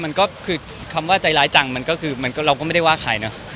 มันก็คือคำว่าใจร้ายจังมันก็คือมันก็เราก็ไม่ได้ว่าใครเนอะ